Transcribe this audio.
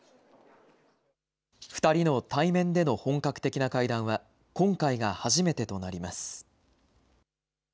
２人の対面での本格的な会談は、今回が初めてとなります。